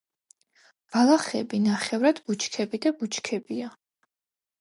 ბალახები, ნახევრად ბუჩქები და ბუჩქებია.